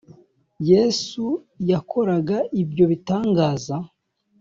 Yesu yakoraga ibyo bitangaza